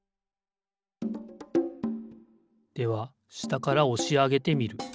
ではしたからおしあげてみる。